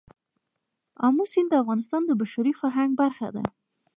آمو سیند د افغانستان د بشري فرهنګ برخه ده.